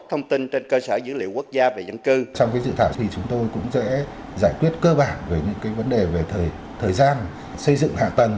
trong dự thảo chúng tôi cũng sẽ giải quyết cơ bản về những vấn đề về thời gian xây dựng hạ tầng